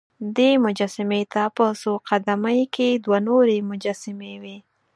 دې مجسمې ته په څو قد مې کې دوه نورې مجسمې وې.